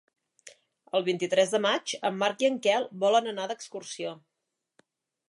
El vint-i-tres de maig en Marc i en Quel volen anar d'excursió.